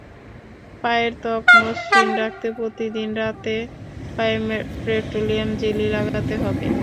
পায়ের ত্বক মসৃণ রাখতে প্রতিদিন রাতে পায়ে পেট্রেলিয়াম জেলি লাগাতে হবে।